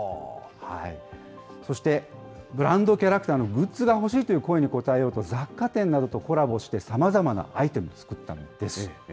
そして、ブランドキャラクターのグッズが欲しいという声に応えようと、雑貨店などとコラボして、さまざまなアイテムを作ったんです。